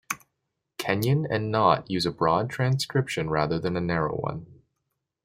Kenyon and Knott use a broad transcription rather than a narrow one.